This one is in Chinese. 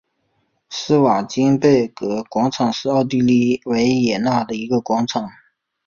施瓦岑贝格广场是奥地利维也纳的一个广场。